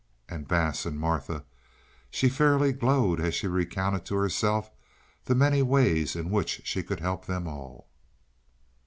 And Bass, and Martha—she fairly glowed as she recounted to herself the many ways in which she could help them all.